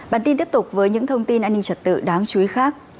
bản tin tiếp tục với những thông tin an ninh trật tự đáng chú ý khác